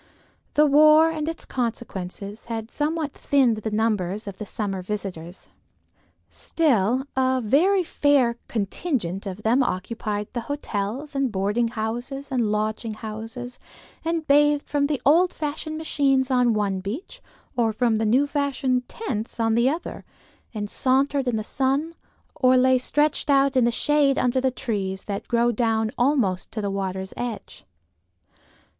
The war and its consequences had somewhat thinned the numbers of the summer visitors; still a very fair contingent of them occupied the hotels and boarding houses and lodging houses and bathed from the old fashioned machines on one beach, or from the new fashioned tents on the other, and sauntered in the sun, or lay stretched out in the shade under the trees that grow down almost to the water's edge.